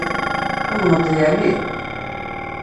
Tumneḍ-t yeεni?